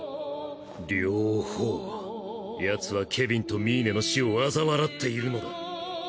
両方ヤツはケビンとミイネの死をあざ笑っているのだ。